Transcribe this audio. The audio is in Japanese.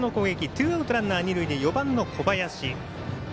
ツーアウト、ランナー、二塁で４番の小林。